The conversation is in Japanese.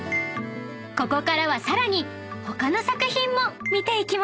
［ここからはさらに他の作品も見ていきましょう］